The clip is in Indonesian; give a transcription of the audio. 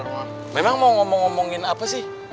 so mau undang siapa